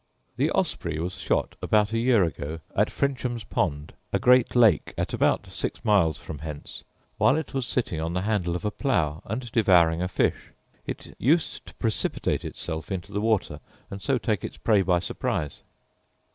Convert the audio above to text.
The osprey was shot about a year ago at Frinshampond, a great lake, at about six miles from hence, while it was sitting on the handle of a plough and devouring a fish: it used to precipitate itself into the water, and so take its prey by surprise.